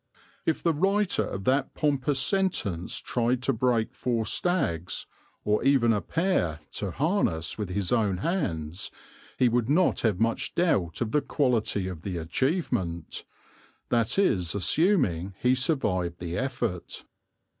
If the writer of that pompous sentence tried to break four stags, or even a pair, to harness with his own hands, he would not have much doubt of the quality of the achievement; that is assuming he survived the effort.